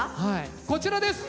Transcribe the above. こちらです！